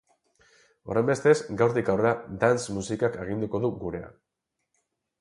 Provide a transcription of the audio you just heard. Horrenbestez, gaurtik aurrera dance musikak aginduko du gurean.